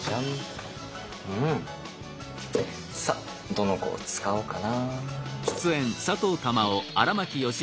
どの子を使おうかな。